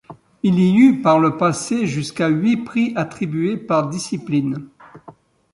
Il y eut par le passé jusqu'à huit prix attribués par discipline.